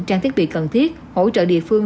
trang thiết bị cần thiết hỗ trợ địa phương